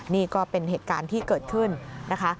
นี่ก็เป็นเหตุการณ์ที่เกิดขึ้นนะคะ